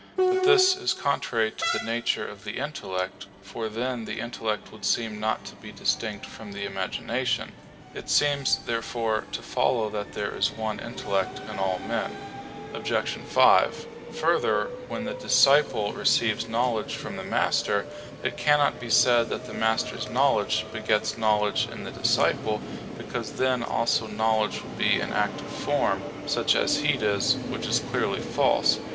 But this is contrary to the nature of the intellect; for then the intellect would seem not to be distinct from the imagination. It seems, therefore, to follow that there is one intellect in all men. Obj. 5: Further, when the disciple receives knowledge from the master, it cannot be said that the master's knowledge begets knowledge in the disciple, because then also knowledge would be an active form, such as heat is, which is clearly false.